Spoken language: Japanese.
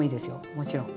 もちろん。